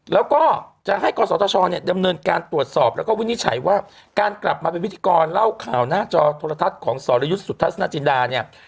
แล้วก็จะให้กศธชเนี่ยดำเนินการตรวจสอบแล้วก็วินิจฉัยว่าการกลับมาเป็นพิธีกรเล่าข่าวหน้าจอโทรทัศน์ของสรยุทธ์สุทัศนาจินดาเนี่ย